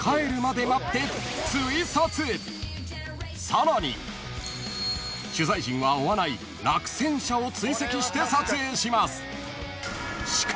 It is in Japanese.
［さらに取材陣は追わない落選者を追跡して撮影します］